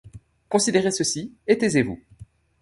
Considérez ceci, et taisez-vous.